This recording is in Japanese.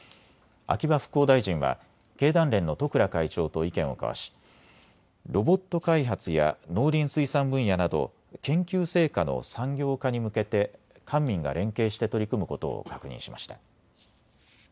秋葉復興大臣は経団連の十倉会長と意見を交わしロボット開発や農林水産分野など研究成果の産業化に向けて官民が連携して取り組むことを確認しました。